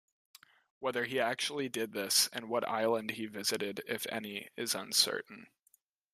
Whether he actually did this and what island he visited, if any, is uncertain.